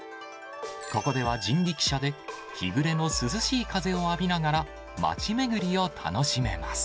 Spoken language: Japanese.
ここでは人力車で、日暮れの涼しい風を浴びながら街巡りを楽しめます。